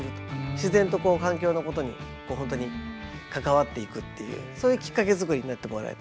自然と環境のことに関わっていくっていうそういうきっかけ作りになってもらえたらなと。